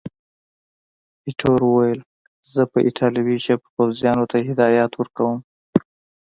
ایټور وویل، زه په ایټالوي ژبه پوځیانو ته هدایات ورکوم.